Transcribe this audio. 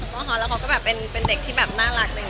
เขาก็ฮอตแล้วเขาก็เป็นเด็กที่น่ารัก